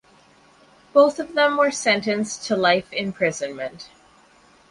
Both of them were sentenced to life imprisonment.